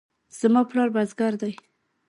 زما پلار بزګر دی